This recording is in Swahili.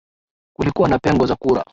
kulikuwa na pengo za kura